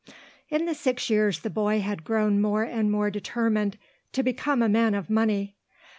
In the six years the boy had grown more and more determined to become a man of money.